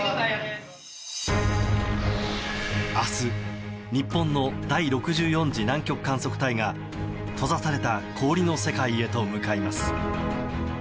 明日、日本の第６４次南極観測隊が閉ざされた氷の世界へと向かいます。